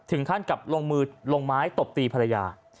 ถึงขั้นกับลงมือลงไม้ตบตีภรรยา